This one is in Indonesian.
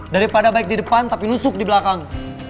daripada baik di depan tapi lusuk di belakang